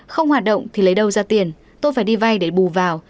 không hoạt động thì lấy đâu ra tiền tôi phải đi vay để bù vào